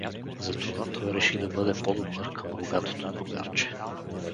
Затова той реши да бъде по-добър към рогатото другарче.